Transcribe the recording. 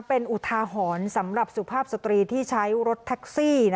เป็นอุทาหรณ์สำหรับสุภาพสตรีที่ใช้รถแท็กซี่